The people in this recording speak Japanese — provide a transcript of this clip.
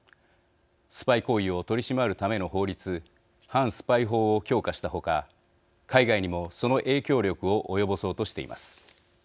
スパイ行為を取り締まるための法律反スパイ法を強化した他海外にもその影響力を及ぼそうとしています。